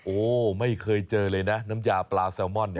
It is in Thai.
โอ้โหไม่เคยเจอเลยนะน้ำยาปลาแซลมอน